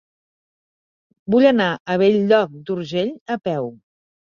Vull anar a Bell-lloc d'Urgell a peu.